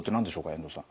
遠藤さん。